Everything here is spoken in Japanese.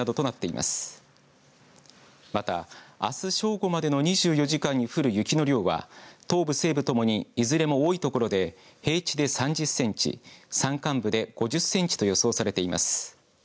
また、あす正午までの２４時間に降る雪の量は東部、西部ともにいずれも多い所で平地で３０センチ山間部で５０センチと予想されています。